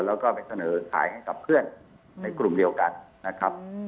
แล้วก็ไปเสนอขายให้กับเพื่อนในกลุ่มเดียวกันนะครับ